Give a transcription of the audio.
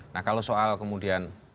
nah kalau soal kemudian